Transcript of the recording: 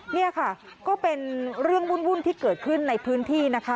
นี่ค่ะก็เป็นเรื่องวุ่นที่เกิดขึ้นในพื้นที่นะคะ